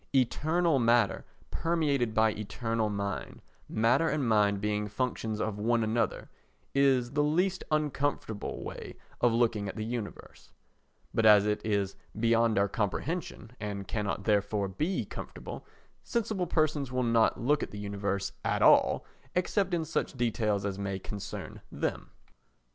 Eternal matter permeated by eternal mind, matter and mind being functions of one another, is the least uncomfortable way of looking at the universe; but as it is beyond our comprehension, and cannot therefore be comfortable, sensible persons will not look at the universe at all except in such details as may concern them.